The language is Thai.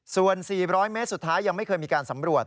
ส่วน๔๐๐เมตรสุดท้ายยังไม่เคยมีการสำรวจ